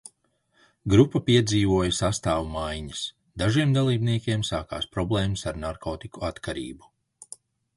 Grupa piedzīvoja sastāva maiņas, dažiem dalībniekiem sākās problēmas ar narkotiku atkarību.